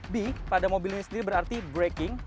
b pada mobil ini sendiri berarti breaking